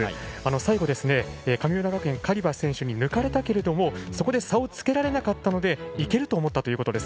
最後、神村学園、カリバ選手に抜かれたけれどもそこで差をつけられなかったのでいけると思ったということです。